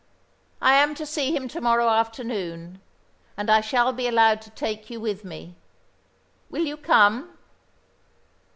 I am to see him to morrow afternoon, and I shall be allowed to take you with me. Will you come?"